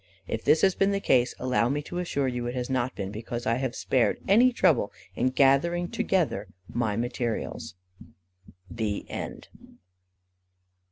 If this has been the case, allow me to assure you it has not been because I have spared any trouble in gathering together my materials. [Illustration: THE END.